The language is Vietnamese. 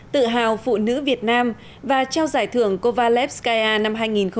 tự hào phụ nữ việt nam và trao giải thưởng cova lebskaya năm hai nghìn một mươi sáu